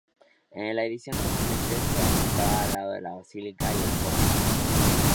La edificación normalmente se asentaba al lado de la basílica y el foro.